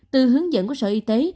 từ hướng dẫn của sở y tế